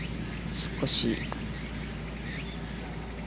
少し。